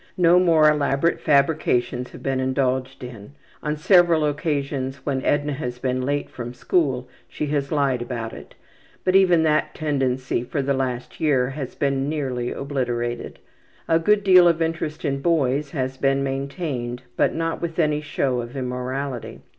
No more elaborate fabrications have been indulged in. On several occasions when Edna has been late from school she has lied about it, but even that tendency for the last year has been nearly obliterated. A good deal of interest in boys has been maintained, but not with any show of immorality.